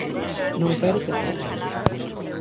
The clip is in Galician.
Non quere que fale.